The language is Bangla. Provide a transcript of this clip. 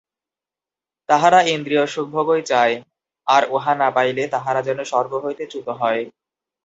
তাহারা ইন্দ্রিয়সুখভোগই চায়, আর উহা না পাইলে তাহারা যেন স্বর্গ হইতে চ্যুত হয়।